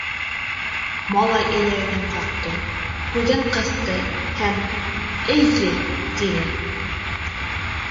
Малай эйәген ҡаҡты, күҙен ҡыҫты һәм: «Эйе», — тине.